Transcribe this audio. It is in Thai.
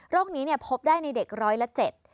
นี้เนี่ยพบได้ในเด็กร้อยละเจ็ด